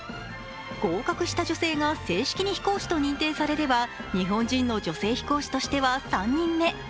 合格した女性が正式に飛行士と認定されれば日本人の女性飛行士としては３人目。